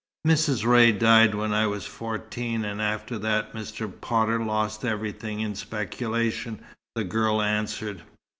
"Mrs. Ray died when I was fourteen, and after that Mr. Potter lost everything in speculation," the girl answered.